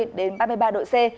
từ ba mươi đến ba mươi ba độ c